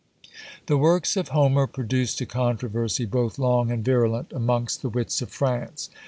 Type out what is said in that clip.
The works of Homer produced a controversy, both long and virulent, amongst the wits of France.